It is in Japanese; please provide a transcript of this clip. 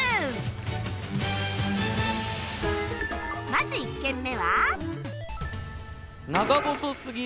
まず１軒目は